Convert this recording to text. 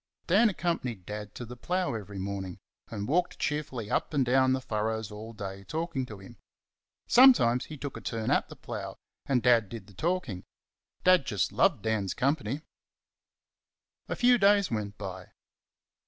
Dan accompanied Dad to the plough every morning, and walked cheerfully up and down the furrows all day, talking to him. Sometimes he took a turn at the plough, and Dad did the talking. Dad just loved Dan's company. A few days went by.